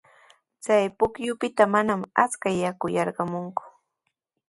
Chay pukyupita manami achka yaku yarqamunku.